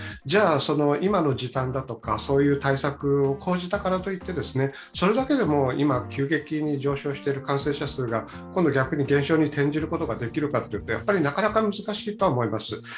じゃ、今の時短だとか、そういう対策を講じたからといって、それだけで急激に上昇している感染者数が今度逆に減少に転じることができるかというと、やっぱりなかなか難しいとは思います。